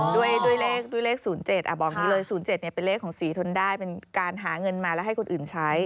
ด้วยเลขด้วยเลข๐๗บอกนี้เลย๐๗เป็นเลขของศรีทนได้เป็นการหาเงินมาแล้วให้คนอื่นใช้